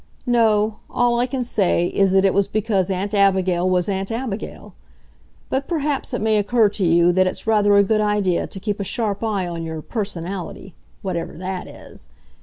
No, all I can say is that it was because Aunt Abigail was Aunt Abigail. But perhaps it may occur to you that it's rather a good idea to keep a sharp eye on your "personality," whatever that is!